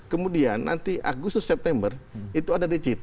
kemudian nanti agustus september itu ada dct